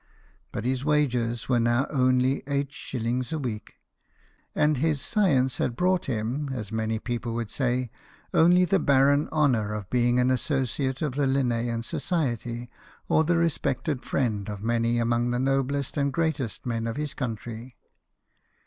But his wages were now only eight shillings a week, and his science had brought him, as many people would say, only the barren honour of being an associate of the Linnean Society, or the respected friend of many among the noblest and greatest men of his country.